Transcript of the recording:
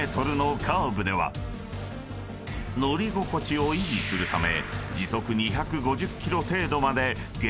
［乗り心地を維持するため］